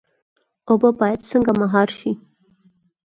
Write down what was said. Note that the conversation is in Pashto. اوبه باید څنګه مهار شي؟